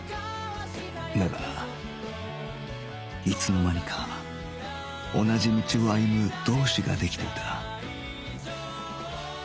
だがいつの間にか同じ道を歩む同志ができていた